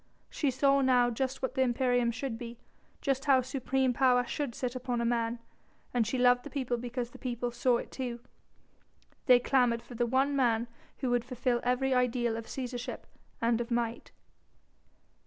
She saw now just what the imperium should be, just how supreme power should sit upon a man. And she loved the people because the people saw it too. They clamoured for the one man who would fulfil every ideal of Cæsarship and of might.